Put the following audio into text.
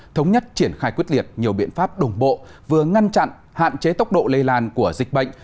thống nhất triển khai quyết liệt nhiều biện pháp đồng bộ vừa ngăn chặn hạn chế tốc độ lây lan của dịch bệnh